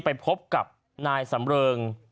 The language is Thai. ไปพบกับนายสำเริง